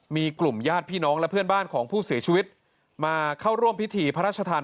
มีกลุ่มญาติพี่น้องและเพื่อนบ้านของผู้เสียชีวิตมาเข้าร่วมพิธีพระราชทาน